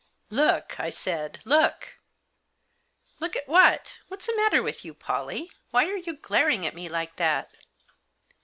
'LOOK!" I said. "Look!" "Look at what? What's the matter with you, Pollie ? Why are you glaring at me like that